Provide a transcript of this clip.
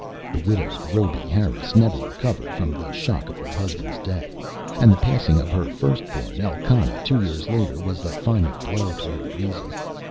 The widowed Rhoby Harris never recovered from the shock of her husband's death, and the passing of her first born Elkanah two years later was the final blow to her reason.